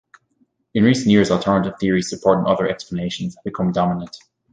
In recent years, alternative theories supporting other explanations have become dominant.